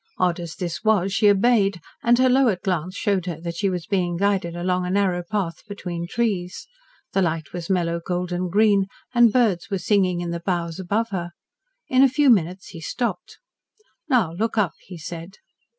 Odd as this was, she obeyed, and her lowered glance showed her that she was being guided along a narrow path between trees. The light was mellow golden green, and birds were singing in the boughs above her. In a few minutes he stopped. "Now look up," he said.